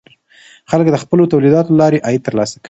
خلک د خپلو تولیداتو له لارې عاید ترلاسه کوي.